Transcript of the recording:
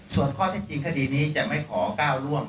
ส่วนข้อที่จริงคดีนี้จะไม่ขอก้าวล่วง